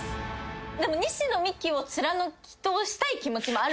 でも西野未姫を貫き通したい気持ちもある。